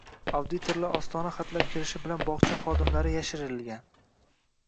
Auditorlar ostona xatlab kirishi bilan bogʻcha xodimlari yashirilgan